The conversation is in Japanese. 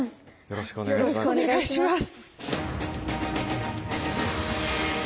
よろしくお願いします。